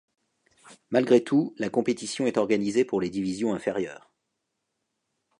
Malgré tout, la compétition est organisée pour les divisions inférieures.